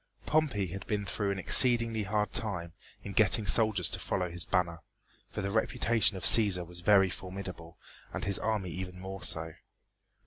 Pompey had been through an exceedingly hard time in getting soldiers to follow his banner, for the reputation of Cæsar was very formidable and his army even more so.